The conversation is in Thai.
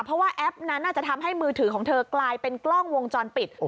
เพราะว่าแอปนั้นอาจจะทำให้มือถือของเธอกลายเป็นกล้องวงจรปิด